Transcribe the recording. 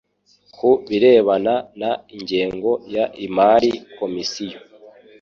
Ku birebana n ingengo y imari Komisiyo